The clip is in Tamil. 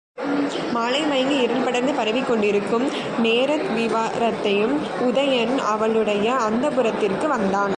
மாலை மயங்கி இருள் படர்ந்து பரவிக் கொண்டிருக்கும் நேரத்விவரத்தையும், உதயணன் அவளுடைய அந்தப்புரத்திற்கு வந்தான்.